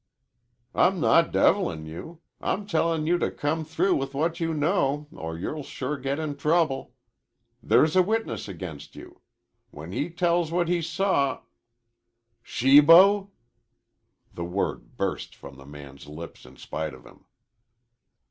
"I'm not devilin' you. I'm tellin' you to come through with what you know, or you'll sure get in trouble. There's a witness against you. When he tells what he saw " "Shibo?" The word burst from the man's lips in spite of him.